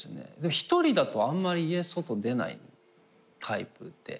１人だとあんまり外出ないタイプで。